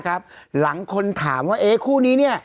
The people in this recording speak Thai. คุณแม่ของคุณแม่ของคุณแม่ของคุณแม่